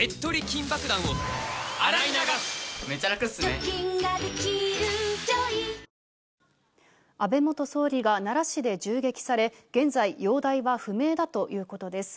安倍元総理が、安倍元総理が奈良市で銃撃され、現在容体は不明だということです。